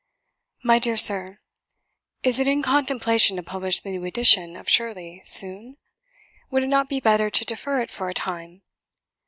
"My dear Sir, Is it in contemplation to publish the new edition of 'Shirley' soon? Would it not be better to defer it for a time?